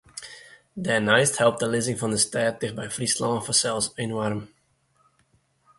Dêrneist helpt de lizzing fan de stêd ticht by Fryslân fansels enoarm.